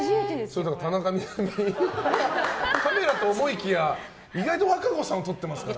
田中みな実カメラと思いきや意外と和歌子さんを撮ってますから。